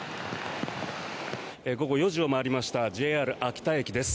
午後４時を回りましたＪＲ秋田駅です。